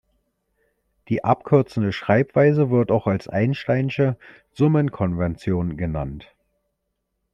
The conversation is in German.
Diese abkürzende Schreibweise wird auch einsteinsche Summenkonvention genannt.